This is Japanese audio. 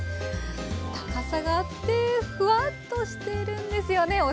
高さがあってフワッとしているんですよね。